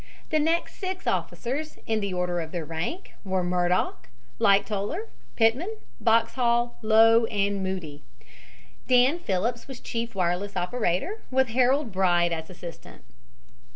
The next six officers, in the order of their rank, were Murdock, Lightollder, Pitman, Boxhall, Lowe and Moody. Dan Phillips was chief wireless operator, with Harold Bride as assistant.